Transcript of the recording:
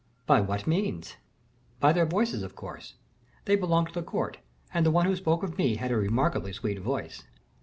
"By what means?" "By their voices, of course. They belong to the court, and the one who spoke of me had a remarkably sweet voice."